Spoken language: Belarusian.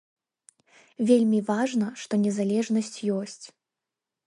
Вельмі важна, што незалежнасць ёсць.